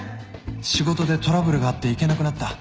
仕事でトラブルがあって行けなくなった」